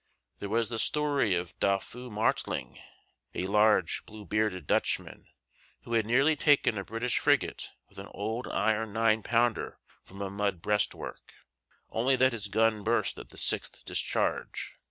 There was the story of Doffue Martling, a large blue bearded Dutchman, who had nearly taken a British frigate with an old iron nine pounder from a mud breastwork, only that his gun burst at the sixth discharge.